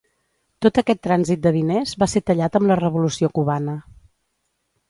Tot aquest trànsit de diners va ser tallat amb la revolució cubana.